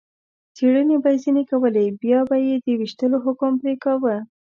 څېړنې به یې ځنې کولې، بیا به یې د وېشتلو حکم پرې کاوه.